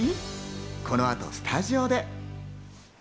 この後スタジオで。